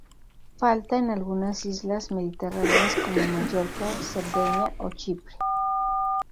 Falta en algunas islas mediterráneas como Mallorca, Cerdeña o Chipre.